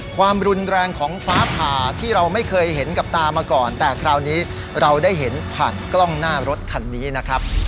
ความรุนแรงของฟ้าผ่าที่เราไม่เคยเห็นกับตามาก่อนแต่คราวนี้เราได้เห็นผ่านกล้องหน้ารถคันนี้นะครับ